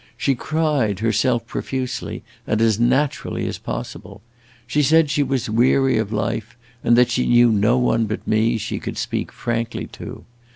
She cried, herself, profusely, and as naturally as possible. She said she was weary of life and that she knew no one but me she could speak frankly to.